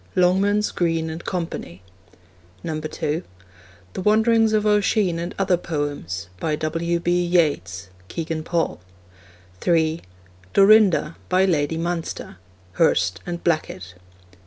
(Longmans, Green and Co.) (2) The Wanderings of Oisin and Other Poems. By W. B. Yeats. (Kegan Paul.) (3) Dorinda. By Lady Munster. (Hurst and Blackett.)